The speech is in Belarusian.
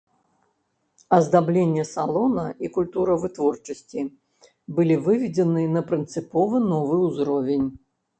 Аздабленне салона і культура вытворчасці былі выведзеныя на прынцыпова новы ўзровень.